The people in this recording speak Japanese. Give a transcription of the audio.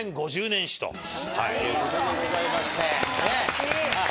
５０年史ということでございましてね。